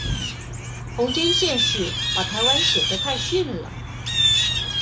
弘兼憲史把台灣寫得太遜了